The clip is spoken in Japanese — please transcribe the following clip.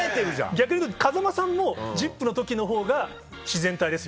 逆にいうと風間さんも『ＺＩＰ！』の時のほうが自然体ですよ。